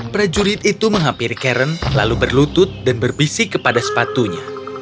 prajurit itu menghampiri karen lalu berlutut dan berbisik kepada sepatunya